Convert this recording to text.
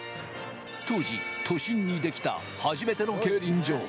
当時、都心にできた初めての競輪場。